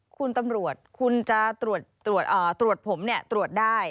คุณตำรวจคุณจะตรวจผมตรวจได้